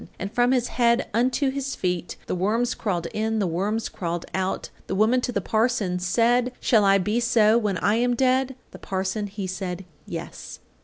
And from his head unto his feet The worms crawled in, the worms crawled out. The woman to the parson said: "Shall I be so when I am dead?" The parson he said "yes."